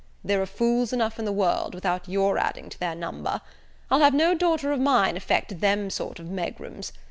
There are fools enough in the world, without your adding to their number. I'll have no daughter of mine affect them sort of megrims.